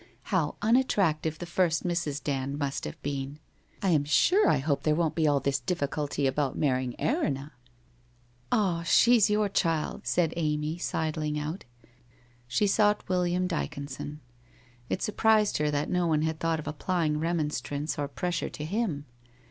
How unattractive the first Mrs. Dand must have been ! I am sure I hope there won't be all this difficulty about marrying Erinna.' ' Ah, she's your child !' said Amy, sidling out. She sought William Dyconson. It surprised her that no one had thought of applying remonstrance or pressure to him.